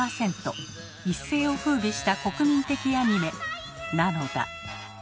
一世を風靡した国民的アニメなのだ。